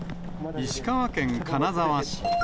石川県金沢市。